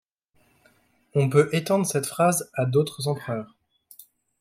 On peut étendre cette phrase à d'autres empereurs.